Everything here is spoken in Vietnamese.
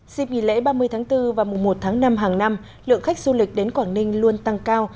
dịp nghỉ lễ ba mươi tháng bốn và mùa một tháng năm hàng năm lượng khách du lịch đến quảng ninh luôn tăng cao